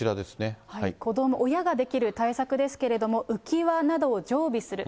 子ども、親ができる対策ですけれども、浮き輪などを常備する。